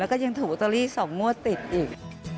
ก็ยังถูกตัวลี่สองมั่วติดอีก